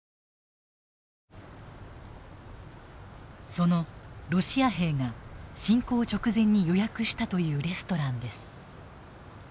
そのロシア兵が侵攻直前に予約したというレストランです。